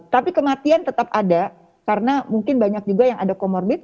tapi kematian tetap ada karena mungkin banyak juga yang ada comorbid